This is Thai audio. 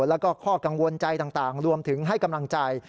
แล้วก็ข้อกังวลใจต่างรวมถึงให้กำลังใจ